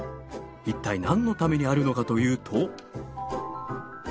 一体何のためにあるのかというと。